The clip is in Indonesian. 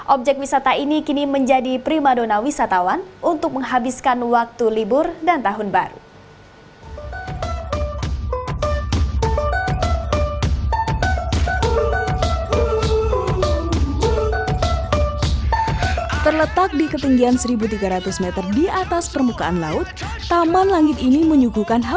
objek wisata ini kini menjadi primadona wisatawan untuk menghabiskan waktu libur dan tahun baru